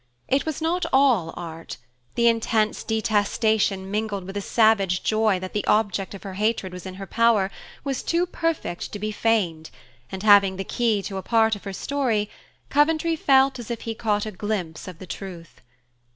It was not all art: the intense detestation mingled with a savage joy that the object of her hatred was in her power was too perfect to be feigned; and having the key to a part of her story, Coventry felt as if he caught a glimpse of the truth.